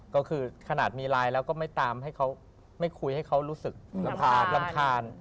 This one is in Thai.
ก็คือขนาดมีไลน์แล้วก็ไม่ตามให้เขาไม่คุยให้เขารู้สึกรำคาญรำคาญ